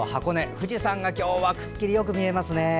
富士山が今日はくっきりよく見えますね。